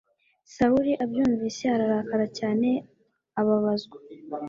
sawuli abyumvise ararakara cyane ababazwa